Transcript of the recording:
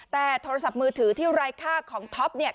แต่โทรศัพท์มือถือที่ไร้ค่าของท็อปเนี่ย